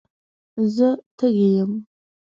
زه تږي یم.